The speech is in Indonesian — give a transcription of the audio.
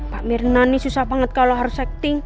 pak mirna nih susah banget kalau harus acting